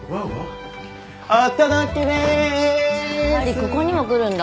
ここにも来るんだ。